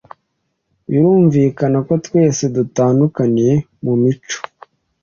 birumvikana ko twese dutandukanye mu mico